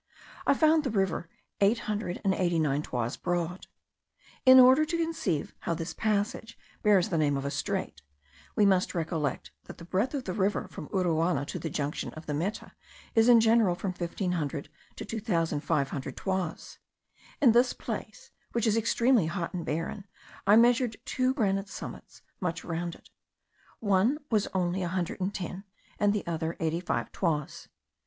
I found the river eight hundred and eighty nine toises broad. In order to conceive how this passage bears the name of a strait, we must recollect that the breadth of the river from Uruana to the junction of the Meta is in general from 1500 to 2500 toises. In this place, which is extremely hot and barren, I measured two granite summits, much rounded: one was only a hundred and ten, and the other eighty five, toises.